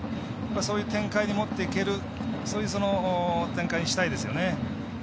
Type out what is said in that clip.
そういう展開に持っていけるそういう展開にしたいですよね。